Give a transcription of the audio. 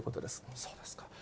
そうですか。